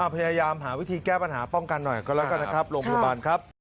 พยายามหาวิธีแก้ปัญหาป้องกันหน่อยก็แล้วกันนะครับโรงพยาบาลครับ